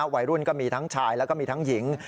วัยรุ่นก็มีทั้งชายแล้วก็มีทั้งหญิง